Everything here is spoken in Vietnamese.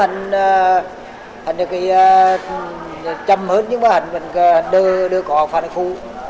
nhưng mình chăm hết nhưng mình đưa cỏ vào phần khu